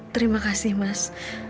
terima kasih mas